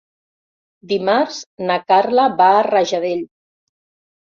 Dimarts na Carla va a Rajadell.